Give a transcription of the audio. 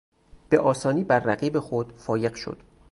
به آسانی بر رقیب خود فایق شد.